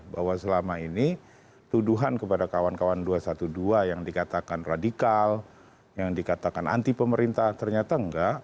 bahwa selama ini tuduhan kepada kawan kawan dua ratus dua belas yang dikatakan radikal yang dikatakan anti pemerintah ternyata enggak